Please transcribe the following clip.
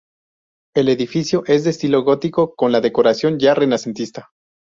El edificio es de estilo gótico con la decoración ya renacentista.